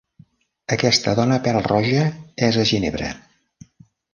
Aquesta dona pel-roja: és a Ginebra.